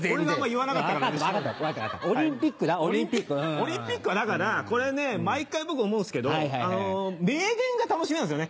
オリンピックはだからこれね毎回僕思うんすけど名言が楽しみなんですよね